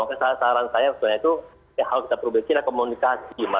maka salah saran saya sebenarnya itu hal kita perlu bikin adalah komunikasi mbak